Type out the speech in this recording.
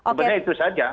sebenarnya itu saja